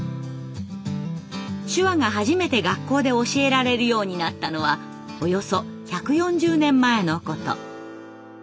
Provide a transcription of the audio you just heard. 手話が初めて学校で教えられるようになったのはおよそ１４０年前のこと。